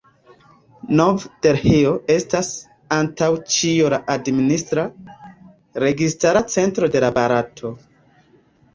Nov-Delhio estas antaŭ ĉio la administra, registara centro de Barato.